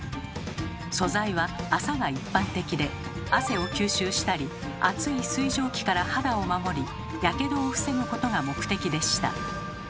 素材は麻が一般的で汗を吸収したり熱い水蒸気から肌を守りヤケドを防ぐことが目的でした。